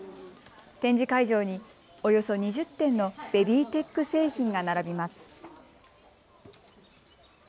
展示会場におよそ２０点のベビーテック製品が並びます。